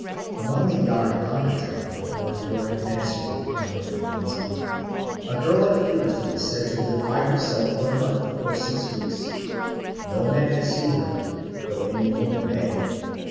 Among the Yaraikanna tribe of Cape York Peninsula, in Northern Queensland, a girl at puberty is said to live by herself for a month or six weeks; no man may see her, though any woman may.